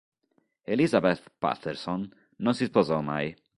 Elizabeth Patterson non si sposò mai.